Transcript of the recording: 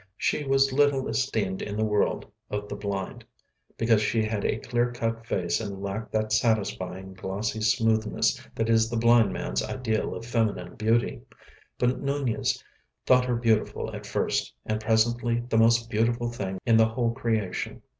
She was little esteemed in the world of the blind, because she had a clear cut face and lacked that satisfying, glossy smoothness that is the blind man's ideal of feminine beauty, but Nunez thought her beautiful at first, and presently the most beautiful thing in the whole creation.